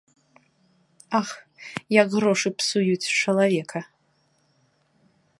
Ах, як грошы псуюць чалавека!